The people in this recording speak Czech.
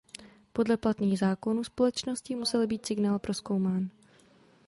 Podle platných zákonů společnosti musel být signál prozkoumán.